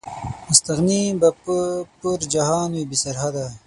مستغني به پر جهان وي، بې سرحده